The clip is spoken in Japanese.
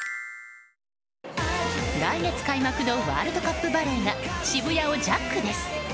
来月開幕のワールドカップバレーが渋谷をジャックです。